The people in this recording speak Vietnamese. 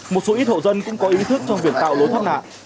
một số ít hộ dân cũng có ý thức trong việc tạo lối thoát nạn